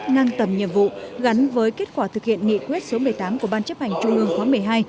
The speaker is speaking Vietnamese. ngang tầm nhiệm vụ gắn với kết quả thực hiện nghị quyết số một mươi tám của ban chấp hành trung ương khóa một mươi hai